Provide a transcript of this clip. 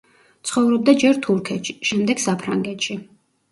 ცხოვრობდა ჯერ თურქეთში, შემდეგ საფრანგეთში.